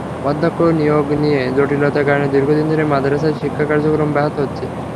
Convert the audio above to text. অধ্যক্ষ নিয়োগ নিয়ে জটিলতার কারণে দীর্ঘদিন ধরে মাদ্রাসার শিক্ষা কার্যক্রম ব্যাহত হচ্ছে।